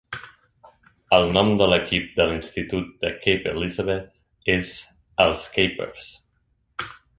El nom de l'equip de l"institut de Cape Elizabeth és els "Capers".